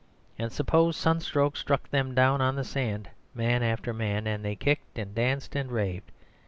And suppose sunstroke struck them down on the sand man after man, and they kicked and danced and raved.